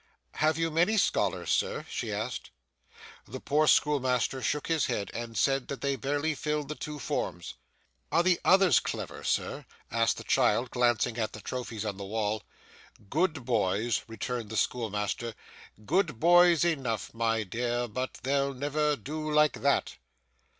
'Have you many scholars, sir?' she asked. The poor schoolmaster shook his head, and said that they barely filled the two forms. 'Are the others clever, sir?' asked the child, glancing at the trophies on the wall. 'Good boys,' returned the schoolmaster, 'good boys enough, my dear, but they'll never do like that.